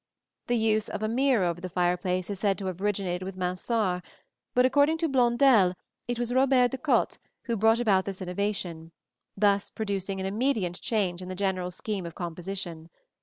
The use of a mirror over the fireplace is said to have originated with Mansart; but according to Blondel it was Robert de Cotte who brought about this innovation, thus producing an immediate change in the general scheme of composition.